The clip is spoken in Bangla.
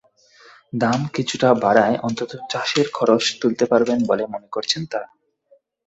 দাম কিছুটা বাড়ায় অন্তত চাষের খরচ তুলতে পারবেন বলে মনে করছেন তাঁরা।